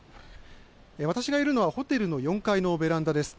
私がいるのはホテルの４階のベランダです。